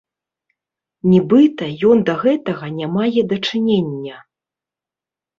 Нібыта, ён да гэтага не мае дачынення.